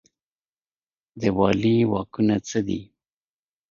د والي واکونه څه دي؟